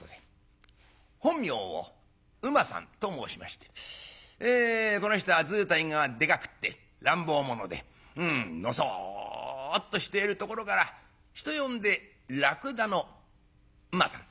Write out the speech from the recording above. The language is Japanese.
本名を「馬」さんと申しましてこの人は図体がでかくって乱暴者でのそっとしているところから人呼んで「らくだの馬さん」。